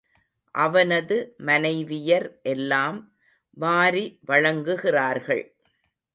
அவனது மனைவியர் எல்லாம் வாரி வழங்குகிறார்கள்.